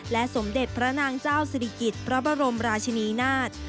สมเด็จพระนางเจ้าศิริกิจพระบรมราชินีนาฏ